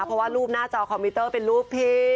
เพราะว่ารูปหน้าจอคอมพิวเตอร์เป็นรูปพี่